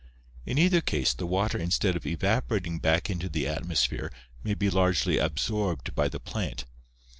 In either case, the water instead of evaporating back into the atmosphere may be largely absorbed by the plant.